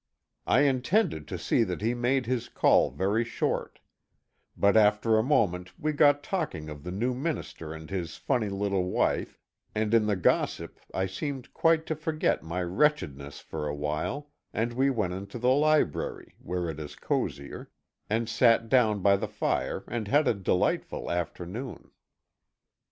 I intended to see that he made his call very short; but after a moment we got talking of the new minister and his funny little wife, and in the gossip I seemed quite to forget my wretchedness for a while, and we went into the library, where it is cosier, and sat down by the fire and had a delightful afternoon.